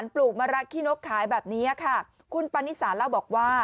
ปลูกมะรักขี้นกขายแบบนี้ค่ะคุณปานิสาเล่าบอกว่า